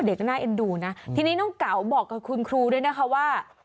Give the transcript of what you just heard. เด็กก็น่าเอ็นดูนะทีนี้น้องเก๋าบอกกับคุณครูด้วยนะคะว่า